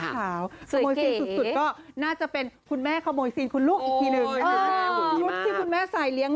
คระโมยซีนสูตรก็น่าจะเป็นขุนแม่ขโมยซีนขุนลูกอีกทีหนึ่ง